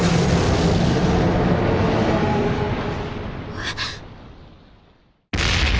えっ。